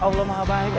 allah maha baik